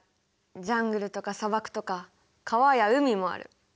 ジャングルとか砂漠とか川や海もある。